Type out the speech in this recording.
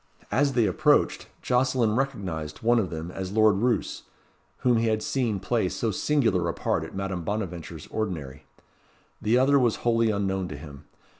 As they approached, Jocelyn recognised one of them as Lord Roos, whom he had seen play so singular a part at Madame Bonaventure's ordinary. The other was wholly unknown to him.